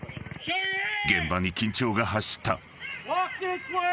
［現場に緊張が走った］